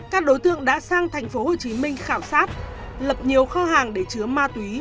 các đối tượng đã sang tp hcm khảo sát lập nhiều kho hàng để chứa ma túy